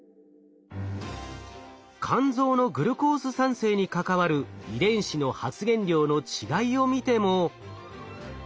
肝臓のグルコース産生に関わる遺伝子の発現量の違いを見ても。